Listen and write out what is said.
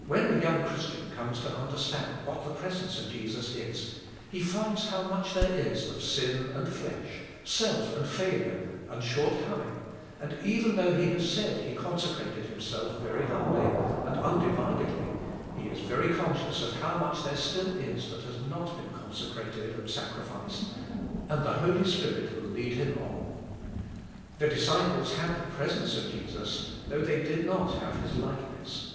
When a 3'oung Christian comes to understand what the presence of Jesus is, he finds how much there is of sin and flesh, self and failure, and shortcoming and even though he has said he consecrated himself very humbly, and undi videdh', he is very conscious of how much there still is that has not been consecrated and sacrificed, and the Holy Spirit will lead him on. The disciples h?idth.e presejice of Jesus though they didnot have His likeness.